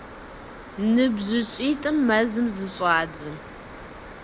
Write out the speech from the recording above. НыбжьыщӀитӀым мэзым зыщӀадзэ.